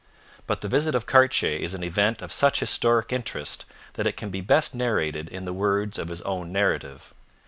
But the visit of Cartier is an event of such historic interest that it can best be narrated in the words of his own narrative.